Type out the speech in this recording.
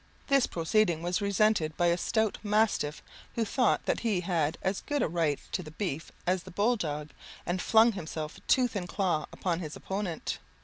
This proceeding was resented by a stout mastiff, who thought that he had as good a right to the beef as the bull dog, and flung himself tooth and claw upon his opponent.